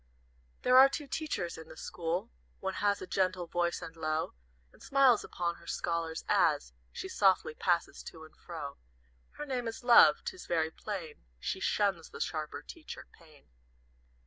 "There are two Teachers in the school, One has a gentle voice and low, And smiles upon her scholars, as She softly passes to and fro. Her name is Love; 'tis very plain She shuns the sharper teacher, Pain.